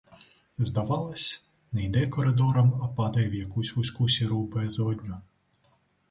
Здавалось, не йде коридором, а падає в якусь вузьку сіру безодню.